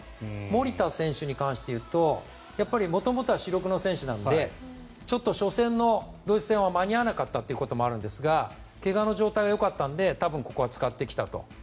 守田選手に関して言うと元々は主力の選手なのでちょっと初戦のドイツ戦は間に合わなかったということもあるんですが怪我の状態がよかったので多分ここは使ってきたと。